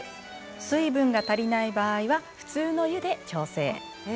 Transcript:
水分が足りない場合は普通の湯で調整。